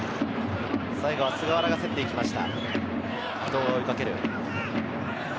最後は菅原が競っていきました。